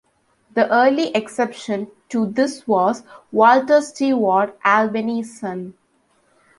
The early exception to this was Walter Stewart, Albany's son.